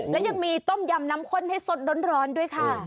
และยังมีต้มยำน้ำข้นให้สดร้อนด้วยค่ะ